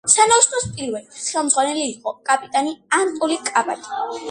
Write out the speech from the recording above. სანაოსნოს პირველი ხელმძღვანელი იყო კაპიტანი ანატოლი კაჭარავა.